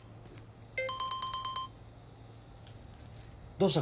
どうした？